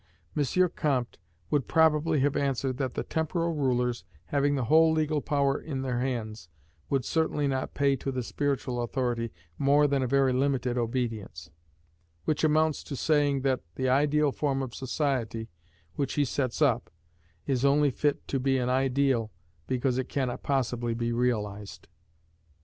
M. Comte would probably have answered that the temporal rulers, having the whole legal power in their hands, would certainly not pay to the spiritual authority more than a very limited obedience: which amounts to saying that the ideal form of society which he sets up, is only fit to be an ideal because it cannot possibly be realized.